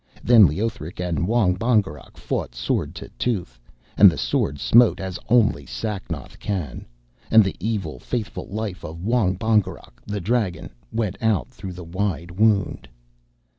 Then Leothric and Wong Bongerok fought sword to tooth, and the sword smote as only Sacnoth can, and the evil faithful life of Wong Bongerok the dragon went out through the wide wound.